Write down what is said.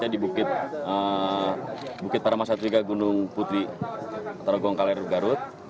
di atas ketinggian tempatnya di bukit parama satwika gunung putri atau gongkaler garut